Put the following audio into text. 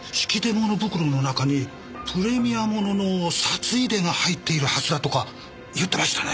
物袋の中にプレミア物の札入れが入っているはずだとか言ってましたね。